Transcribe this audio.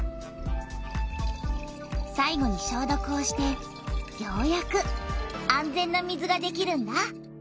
さいごにしょうどくをしてようやく安全な水ができるんだ。